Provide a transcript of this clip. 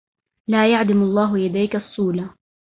لا يعدم الله يديك الصولا